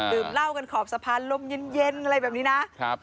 ดื่มเหล้ากันขอบสะพานลมเย็นอะไรแบบนี้นะครับ